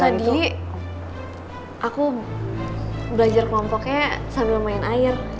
tadi aku belajar kelompoknya sambil main air